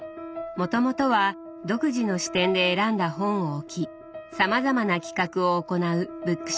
もともとは独自の視点で選んだ本を置きさまざまな企画を行うブックショップを経営。